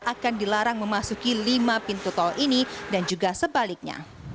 akan dilarang memasuki lima pintu tol ini dan juga sebaliknya